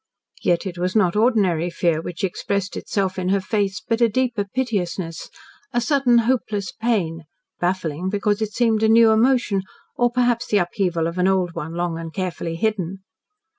Yet it was not ordinary fear which expressed itself in her face, but a deeper piteousness, a sudden hopeless pain, baffling because it seemed a new emotion, or perhaps the upheaval of an old one long and carefully hidden.